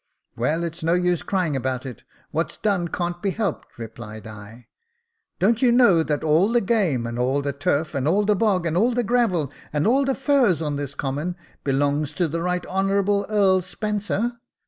Well, it's no use crying about it. What's done can't be helped," replied I. " Don't you know that all the game, and all the turf, and all the bog, and all the gravel, and all the furze on this common, belong to the Right Honourable Earl Spencer